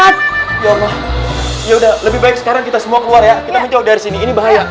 kita menjauh dari sini ini bahaya